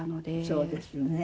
そうですよね。